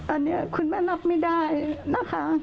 อันนี้คุณแม่รับไม่ได้นะคะ